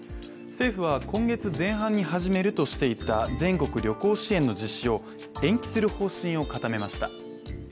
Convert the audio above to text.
政府は、今月前半に始めるとしていた全国旅行支援の実施を延期する方針を固めました。